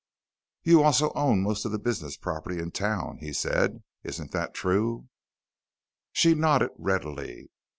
"You also own most of the business property in town," he said. "Isn't that true?" She nodded readily.